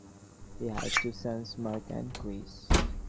He has two sons, Mark and Chris.